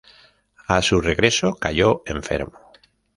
A su regreso, cayó enfermo.